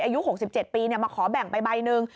อายุ๖๗ปีมาขอแบ่งไปใบหนึ่ง